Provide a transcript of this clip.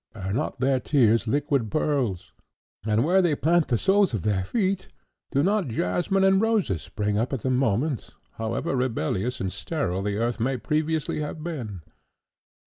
Are not their tears liquid pearls, and where they plant the soles of their feet do not jasmine and roses spring up at the moment, however rebellious and sterile the earth may previously have been?